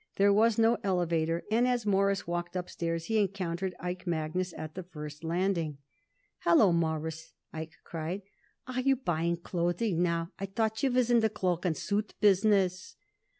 There was no elevator, and as Morris walked upstairs he encountered Ike Magnus at the first landing. "Hallo, Mawruss!" Ike cried. "Are you buying clothing now? I thought you was in the cloak and suit business."